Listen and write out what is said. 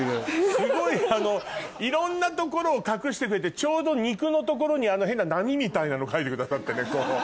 すごいいろんな所を隠してくれてちょうど肉の所に変な波みたいなの描いてくださってね。